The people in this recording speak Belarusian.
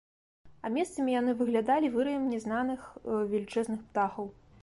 А месцамі яны выглядалі выраем нязнаных велічэзных птахаў.